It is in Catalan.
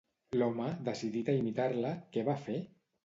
L'home, decidit a imitar-la, què va fer?